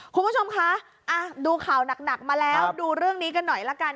คุณผู้ชมคะดูข่าวหนักมาแล้วดูเรื่องนี้กันหน่อยละกัน